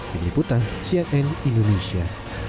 dikiputan cnn indonesia